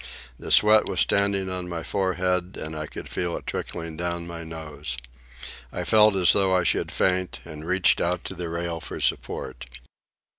The sweat was standing on my forehead, and I could feel it trickling down my nose. I felt as though I should faint, and reached out to the rail for support.